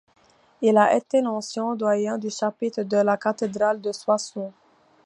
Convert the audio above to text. Il a été l'ancien doyen du chapitre de la cathédrale de Soissons.